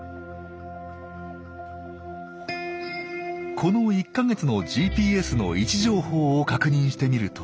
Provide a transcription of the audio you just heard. この１か月のＧＰＳの位置情報を確認してみると。